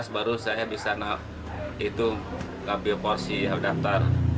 baru saya bisa itu ambil porsi yang daftar